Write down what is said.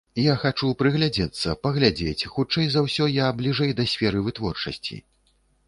Я хачу прыглядзецца, паглядзець, хутчэй за ўсё, я бліжэй да сферы вытворчасці.